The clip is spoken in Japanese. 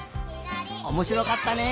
おもしろかったね！